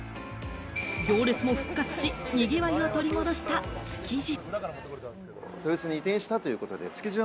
行列も復活し、にぎわいを取り戻した築地。